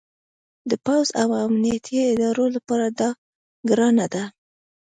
د پوځ او هم امنیتي ادارو لپاره دا ګرانه ده